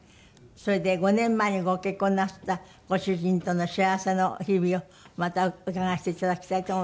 それで５年前にご結婚なすったご主人との幸せの日々をまた伺わせていただきたいと思っております。